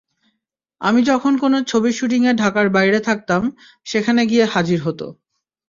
আমি যখন কোনো ছবির শুটিংয়ে ঢাকার বাইরে থাকতাম, সেখানে গিয়ে হাজির হতো।